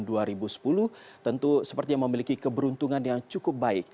dan di tahun dua ribu sepuluh tentu seperti yang memiliki keberuntungan yang cukup baik